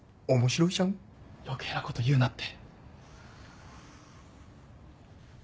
余計なこと言うなって。